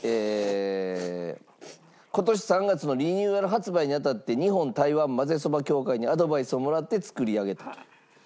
今年３月のリニューアル発売に当たって日本台湾まぜそば協会にアドバイスをもらって作り上げたと。